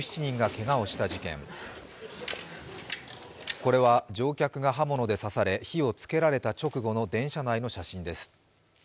これは乗客が刃物で刺され、火をつけられた直後の電車内の写真です。